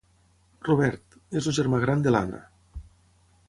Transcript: Robert: és el germà gran de l'Anna.